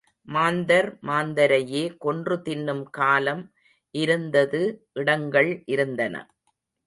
மாந்தர் மாந்தரையே கொன்று தின்னும் காலம் இருந்தது இடங்கள் இருந்தன.